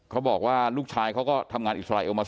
เขาบอกว่าลูกชายเขาก็ทำงานอิสราเอลมา